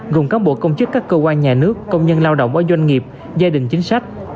gồm cán bộ công chức các cơ quan nhà nước công nhân lao động ở doanh nghiệp gia đình chính sách